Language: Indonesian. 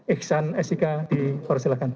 iksan esika di polres silakan